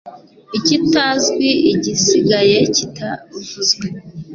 ikitazwi igisigaye kitavuzwe